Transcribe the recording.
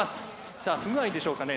さあ不具合でしょうかね？